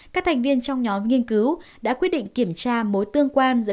các thành viên trong nhóm nghiên cứu đã quyết định kiểm tra mối tương quan giữa